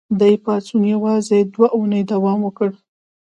دې پاڅون یوازې دوه اونۍ دوام وکړ.